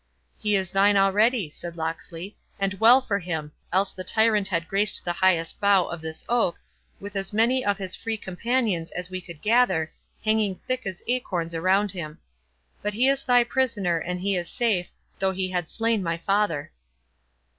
"He is thine already," said Locksley, "and well for him! else the tyrant had graced the highest bough of this oak, with as many of his Free Companions as we could gather, hanging thick as acorns around him.—But he is thy prisoner, and he is safe, though he had slain my father."